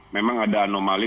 memang ada anomali